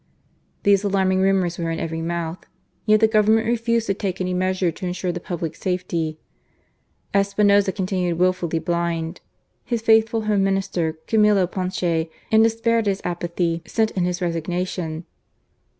These alarming rumours were in every mouth ; yet the Government refused to take any measure to ensure the public safety. Espinoza continued wil FALL OF PRESIDENT ESPJNOZA. 195 fully blind. His faithful Home Minister, Camillo Ponce, in despair at his apathy, sent in his. resigna* tion.